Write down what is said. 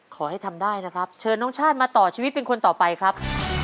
ขอให้ทำได้นะครับเชิญน้องชาติมาต่อชีวิตเป็นคนต่อไปครับ